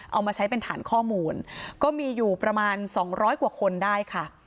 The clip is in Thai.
เอามาใช้เป็นฐานข้อมูลก็มีอยู่ประมาณสองร้อยกว่าคนได้ค่ะ